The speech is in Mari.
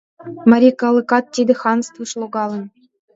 Марий калыкат тиде ханствыш логалын.